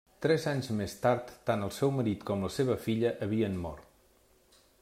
Tres anys més tard, tant el seu marit com la seva filla havien mort.